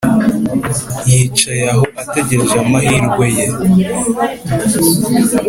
yicaye aho ategereje amahirwe ye.